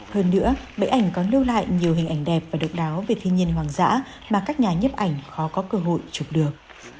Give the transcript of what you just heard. hơn nữa bẫy ảnh có lưu lại nhiều hình ảnh đẹp và độc đáo về thiên nhiên hoang dã mà các nhà nhiếp ảnh khó có cơ hội chụp được